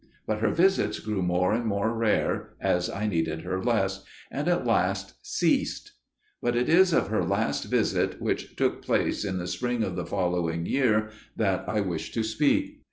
But her visits grew more and more rare, as I needed her less, and at last ceased. But it is of her last visit, which took place in the spring of the following year, that I wish to speak.